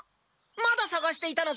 まださがしていたのか。